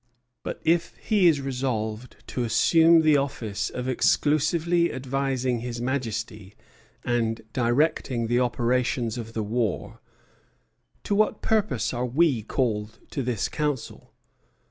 But if he is resolved to assume the office of exclusively advising His Majesty and directing the operations of the war, to what purpose are we called to this council?